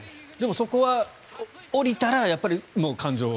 そこは降りたら感情は。